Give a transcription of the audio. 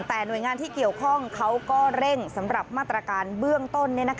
แต่หน่วยงานที่เกี่ยวข้องเขาก็เร่งสำหรับมาตรการเบื้องต้น